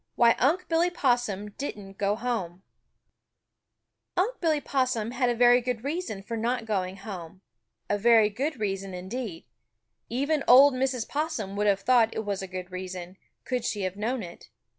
XVI WHY UNC' BILLY POSSUM DIDN'T GO HOME Unc' Billy Possum had a very good reason for not going home, a very good reason, indeed. Even old Mrs. Possum would have thought it was a good reason, could she have known it.